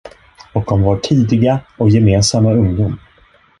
Och om vår tidiga och gemensamma ungdom.